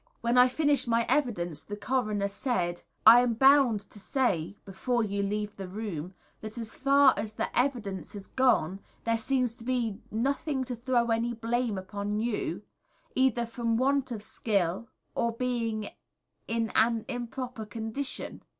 When I finished my evidence the Coroner said: "I am bound to say, before you leave the room, that as far as the evidence has gone there seems to be nothing to throw any blame upon you, either from want of skill or being in an improper condition."